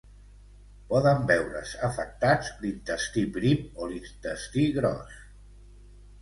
Poden veure's afectats l'intestí prim o l'intestí gros.